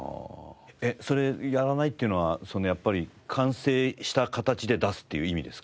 それやらないっていうのはやっぱり完成した形で出すっていう意味ですか？